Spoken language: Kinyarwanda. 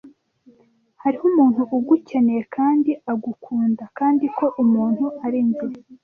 Hariho umuntu ugukeneye kandi agukunda, kandi ko umuntu ari njye!